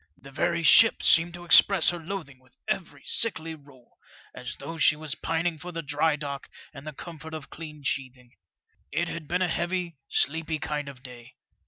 The very ship seemed to express her loathing with every sickly roll, as though she was pining for the dry dock and the comfort of clean sheathing. It had been a heavy, sleepy kind of day.